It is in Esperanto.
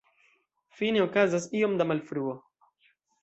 Fine, okazas iom da malfruo.